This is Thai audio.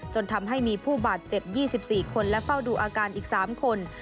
จนทำให้มีผู้บาดเจ็บ๒๔คนและเฝ้าดูอาการอีก๓คน